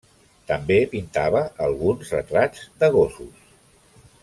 També pintava alguns retrats de gossos.